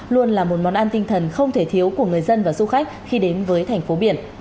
luôn là một món ăn tinh thần không thể thiếu của người dân và du khách khi đến với thành phố biển